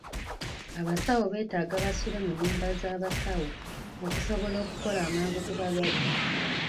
Abasawo beetaaga basule mu nnyumba z'abasawo okusobola okukola amangu ku balwadde.